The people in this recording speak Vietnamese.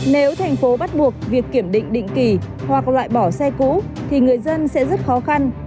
nếu thành phố bắt buộc việc kiểm định định kỳ hoặc loại bỏ xe cũ thì người dân sẽ rất khó khăn